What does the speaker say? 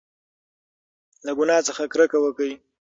له ګناه څخه کرکه وکړئ.